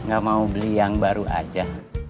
gak mau beli yang baru aja